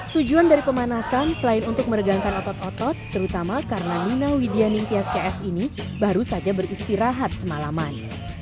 tujuan dari pemanasan selain untuk meregangkan otot otot terutama karena nina widya ningtyas cs ini baru saja beristirahat semalaman